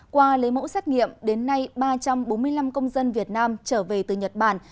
qua lấy mẫu xét nghiệm đến nay ba trăm bốn mươi năm công dân việt nam trở về từ nhật bản